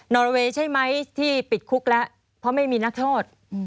อรเวย์ใช่ไหมที่ติดคุกแล้วเพราะไม่มีนักโทษ